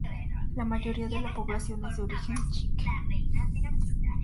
La mayoría de la población es de origen k'iche'.